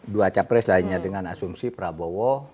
dua capres lainnya dengan asumsi prabowo